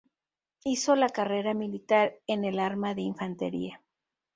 Hizo la carrera militar en el arma de infantería.